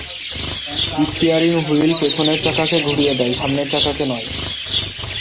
Steering wheel পেছনের চাকাকে ঘুরিয়ে দেয়, সামনের চাকাকে নয়।